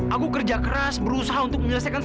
aku kerja keras berusaha untuk menyelesaikan